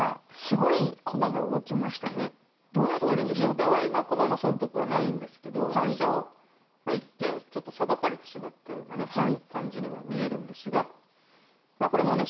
お互いまあ駒の損得はないんですけど飛車を一見さばかれてしまったようなね感じには見えるんですがこれもね